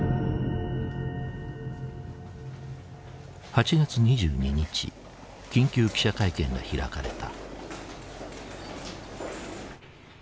８月２２日緊急記者会見が開かれた。